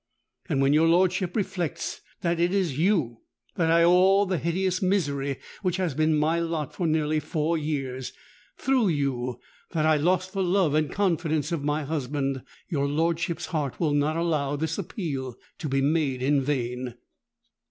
And when your lordship reflects that it is to you that I owe all the hideous misery which has been my lot for nearly four years,—through you that I lost the love and confidence of my husband,—your lordship's heart will not allow this appeal to be made in vain.